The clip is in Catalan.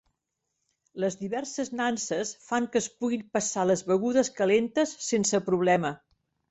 Les diverses nanses fan que es puguin passar les begudes calentes sense problema.